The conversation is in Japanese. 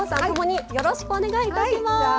共によろしくお願いいたします。